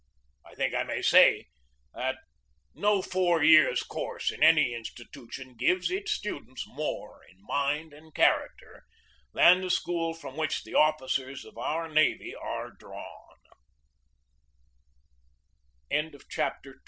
I think I may say that no four years' course in any institution gives its students more in mind and character than the school from which the officers of our navy